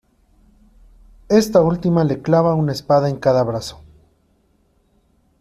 Esta última le clava una espada en cada brazo.